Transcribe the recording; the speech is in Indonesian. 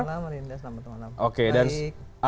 selamat malam rinda selamat malam